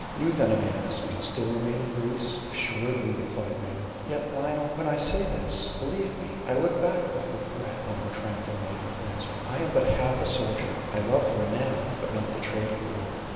"You then," I asked, "still remain in Greece?" "Assuredly," replied Raymond. "Yet Lionel, when I say this, believe me I look back with regret to our tranquil life at Windsor. I am but half a soldier; I love the renown, but not the trade of war.